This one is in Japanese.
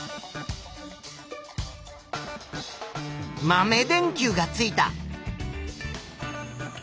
豆電球がついた。